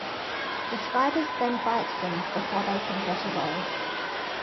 The spiders then bite them before they can get away.